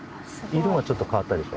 色がちょっと変わったでしょ？